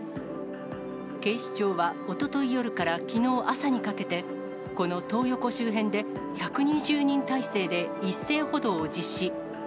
警視庁はおととい夜からきのう朝にかけて、このトー横周辺で、１２０人態勢で一斉補導を実施。